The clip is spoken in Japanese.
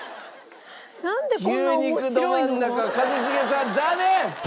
牛肉どまん中一茂さん残念！